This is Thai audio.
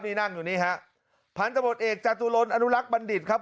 นี่นั่งอยู่นี่ฮะพันธบทเอกจตุรนอนุรักษ์บัณฑิตครับ